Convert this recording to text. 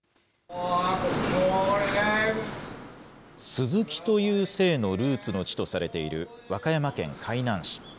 鈴木という姓のルーツの地とされている和歌山県海南市。